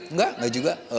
nggak nggak juga